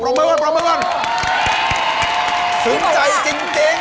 โอ้โหโปรโมงสุขใจจริง